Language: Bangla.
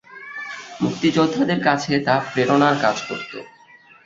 মুক্তিযোদ্ধাদের কাছে তা প্রেরণার কাজ করত।